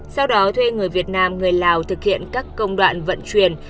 sau đó thuê người việt nam người lào thực hiện các công đoạn vận chuyển